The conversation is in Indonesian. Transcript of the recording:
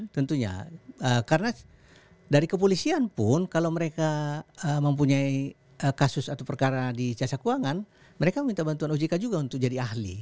tentunya karena dari kepolisian pun kalau mereka mempunyai kasus atau perkara di jasa keuangan mereka minta bantuan ojk juga untuk jadi ahli